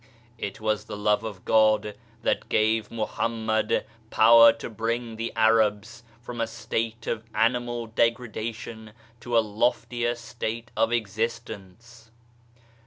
It was the Love of God that gave Mohammed power to bring the Arabs from a state of animal degradation to a loftier state of existence.